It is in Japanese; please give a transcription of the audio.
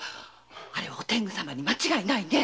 あれお天狗様に間違いないね。